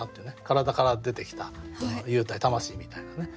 体から出てきた幽体魂みたいなね。